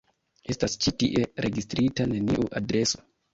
Estas ĉi tie registrita neniu adreso.